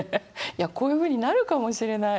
いやこういうふうになるかもしれない。